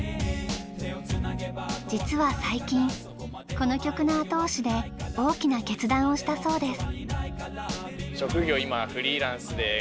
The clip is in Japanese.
実は最近この曲の後押しで大きな決断をしたそうです。